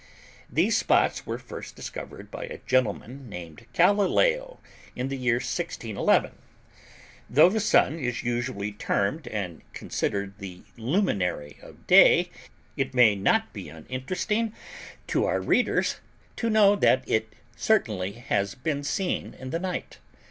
These spots were first discovered by a gentleman named Galileo, in the year 1611. Though the Sun is usually termed and considered the luminary of day, it may not be uninteresting to our readers to know that it certainly has been seen in the night.